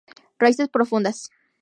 Raíces profundas.